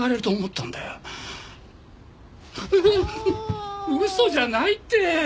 嘘じゃないって！